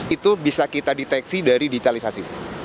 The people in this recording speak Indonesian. itu bisa kita deteksi dari digitalisasi